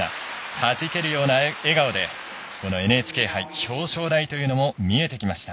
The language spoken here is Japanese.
はじけるような笑顔でこのＮＨＫ杯表彰台というのも見えてきました。